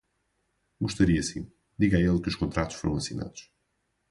Gostaria sim. Diga a ele que os contratos foram assinados.